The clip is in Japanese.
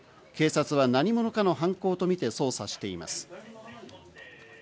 警察は何者かの犯行とみて捜査しています。